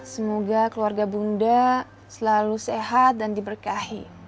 semoga keluarga bunda selalu sehat dan diberkahi